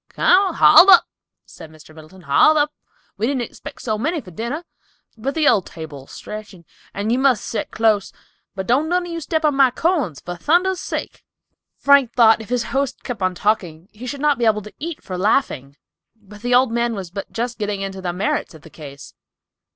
"Come, haul up," said Mr. Middleton, "haul up; we didn't expect so many to dinner, but the old table'll stretch and you must set clus; but don't none of you step on my corns, for thunder's sake!" Frank thought if his host kept on talking he should not be able to eat for laughing, but the old man was but just getting into the merits of the case!